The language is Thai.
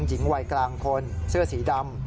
หญิงวัยกลางคนเสื้อสีดำ